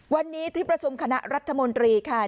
วันนี้ที่ประชุมคณะรัฐมนตรีค่ะ